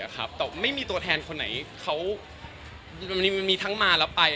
แต่ไม่มีตัวแทนคนไหนเขามันมีทั้งมาแล้วไป